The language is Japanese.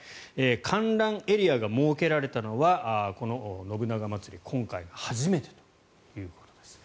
観覧エリアが設けられたのはこの信長まつりは今回が初めてということです。